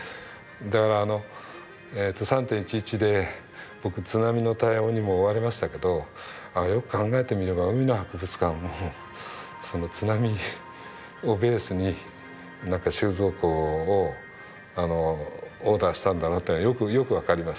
だからあの３．１１で僕津波の対応にも追われましたけどよく考えてみれば海の博物館も津波をベースに収蔵庫をオーダーしたんだなっていうのがよく分かります。